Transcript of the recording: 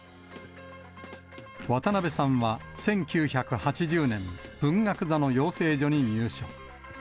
渡辺さんは１９８０年、文学座の養成所に入所。